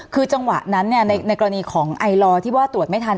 คือจังหวะนั้นในกรณีของไอลอร์ที่ว่าตรวจไม่ทัน